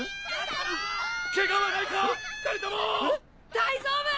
大丈夫！